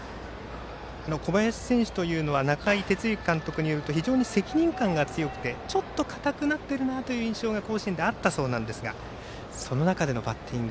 小林選手というのは中井哲之監督によると非常に責任感が強くてちょっと硬くなっているなという印象が甲子園であったそうなんですがその中でのバッティング